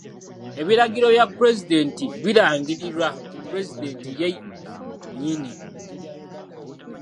Ebiragiro by'pulezidenti birangirirwa pulezidenti ye nnyini.